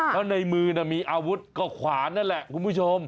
แล้วในมือมีอาวุธก็ขวานนั่นแหละคุณผู้ชม